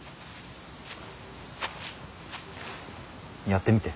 やってみて。